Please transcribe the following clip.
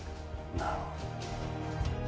なるほど。